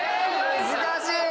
難しい！